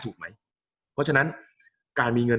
กับการสตรีมเมอร์หรือการทำอะไรอย่างเงี้ย